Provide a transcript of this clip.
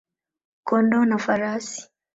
kondoo na farasi.